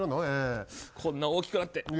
こんな大きくなって。